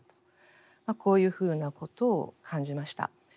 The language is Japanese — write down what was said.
こういうふうなことを感じました。